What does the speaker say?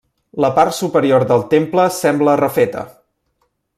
La part superior del temple sembla refeta.